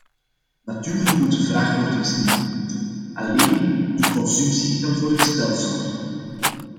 Natuurlijk moet de vraag worden gestimuleerd, alleen de consumptie kan voor herstel zorgen.